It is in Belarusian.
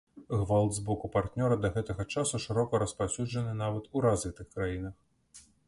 Гвалт з боку партнёра да гэтага часу шырока распаўсюджаны нават у развітых краінах.